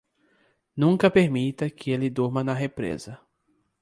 Nunca permita que ele durma na represa.